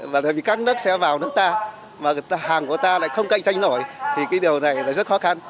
và tại vì các nước sẽ vào nước ta mà hàng của ta lại không cạnh tranh nổi thì cái điều này là rất khó khăn